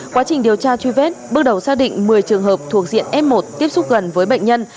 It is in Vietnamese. quá trình điều tra truy vết bước đầu xác định một mươi trường hợp thuộc diện f một tiếp xúc gần với bệnh nhân